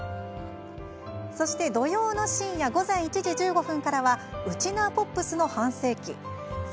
そして、土曜の深夜午前１時１５分からは「うちなーポップスの半世紀」。